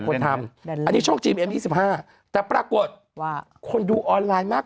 คนทำอันนี้ช่องจีมเอ็ม๒๕แต่ปรากฏว่าคนดูออนไลน์มาก